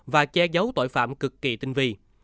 và che giấu tội phạm cực kỳ tinh vi